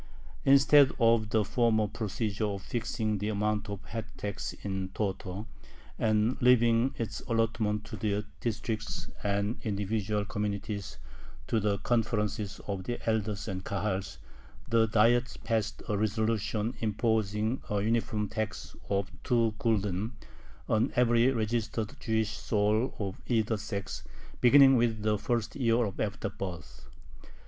Instead of the former procedure of fixing the amount of the head tax in toto, and leaving its allotment to the Districts and individual communities to the conferences of the elders and Kahals, the Diet passed a resolution imposing a uniform tax of two gulden on every registered Jewish soul of either sex, beginning with the first year after birth.